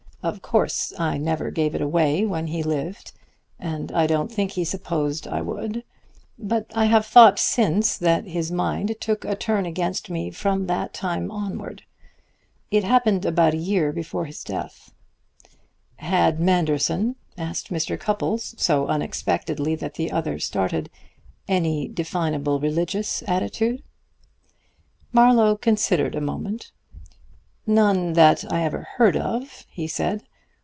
Of course I never gave it away while he lived, and I don't think he supposed I would; but I have thought since that his mind took a turn against me from that time onward. It happened about a year before his death." "Had Manderson," asked Mr. Cupples, so unexpectedly that the other started, "any definable religious attitude?" Marlowe considered a moment. "None that I ever heard of," he said.